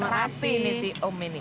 rapi ini si om ini